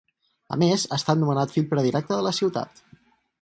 A més ha estat nomenat fill predilecte de la ciutat.